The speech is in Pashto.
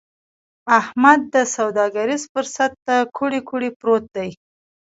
احمد دې سوداګريز فرصت ته کوړۍ کوړۍ پروت دی.